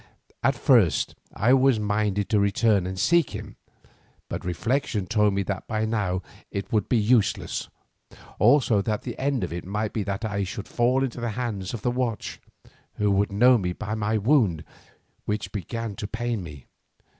At first I was minded to return and seek him, but reflection told me that by now it would be useless, also that the end of it might be that I should fall into the hands of the watch, who would know me by my wound, which began to pain me.